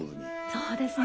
そうですね。